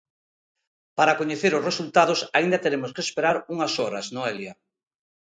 Para coñecer os resultados aínda teremos que esperar unhas horas, Noelia.